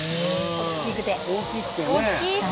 大きくてね。